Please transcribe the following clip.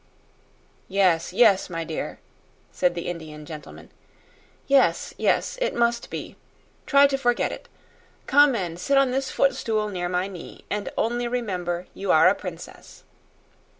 "Yes, yes, my dear," said the Indian gentleman. "Yes, yes, it must be. Try to forget it. Come and sit on this footstool near my knee, and only remember you are a princess."